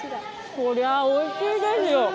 これはおいしいですよ。